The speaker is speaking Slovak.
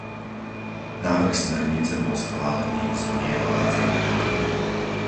Návrh smernice bol schválený v zmierovacom konaní.